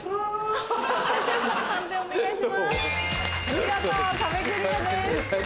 見事壁クリアです。